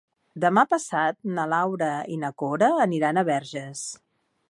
Demà passat na Laura i na Cora aniran a Verges.